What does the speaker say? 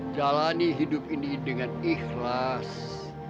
jalani hidup ini dengan ikhlas